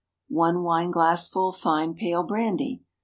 1 wine glassful fine pale brandy.